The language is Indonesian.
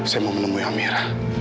saya mau menemui amira